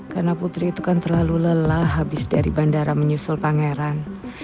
karena putri itu kan terlalu lelah habis dari bandara menyusul pangeran